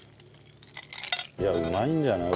いやうまいんじゃない？